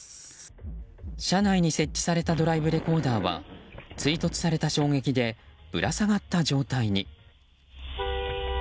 車内に設置されたドライブレコーダーは追突された衝撃でぶら下がった状態に。